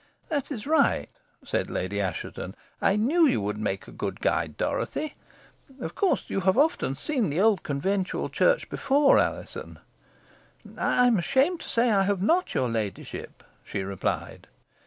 "That is right," said Lady Assheton. "I knew you would make a good guide, Dorothy. Of course you have often seen the old conventual church before, Alizon?" "I am ashamed to say I have not, your ladyship," she replied.